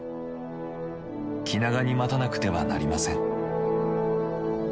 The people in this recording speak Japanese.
気長に待たなくてはなりません。